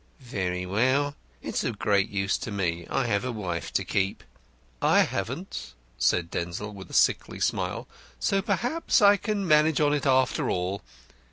"Very well. It's of great use to me. I have a wife to keep." "I haven't," said Denzil, with a sickly smile, "so perhaps I can manage on it after all."